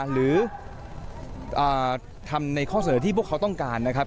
หรือทำในข้อเสนอที่พวกเขาต้องการนะครับ